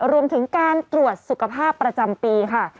รวมถึงการตรวจสุขภาพประจำปีค่ะ